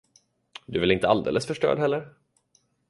Du är väl inte alldeles förstörd heller.